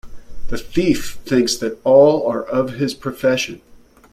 The thief thinks that all are of his profession.